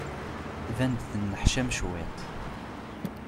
Tban-d tenneḥcam cwiṭ.